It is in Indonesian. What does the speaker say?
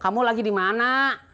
kamu lagi di mana